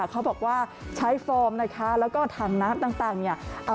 เขาบอกว่าใช้โฟมแล้วก็ถังน้ำแต่